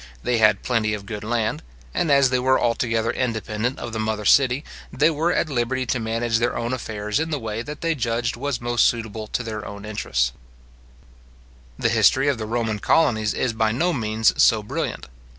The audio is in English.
They had plenty of good land; and as they were altogether independent of the mother city, they were at liberty to manage their own affairs in the way that they judged was most suitable to their own interest. The history of the Roman colonies is by no means so brilliant.